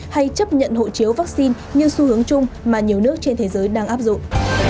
hay chấp nhận hộ chiếu vaccine như xu hướng chung mà nhiều nước trên thế giới đang áp dụng